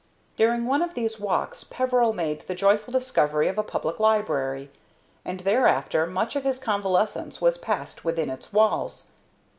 During one of these walks Peveril made the joyful discovery of a public library, and thereafter much of his convalescence was passed within its walls.